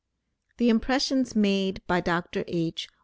The impressions made by Dr. H.